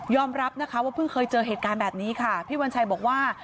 รับนะคะว่าเพิ่งเคยเจอเหตุการณ์แบบนี้ค่ะพี่วันชัยบอกว่า